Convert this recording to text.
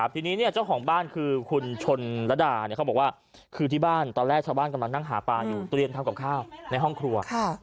ทีนี้เจ้าของบ้านคือคุณชนระดาตอนแรกชาวบ้านกำลังนั่งหาป่าอยู่เตรียมทำกับข้าวในห้องครัว